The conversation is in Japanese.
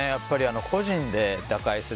個人で打開する。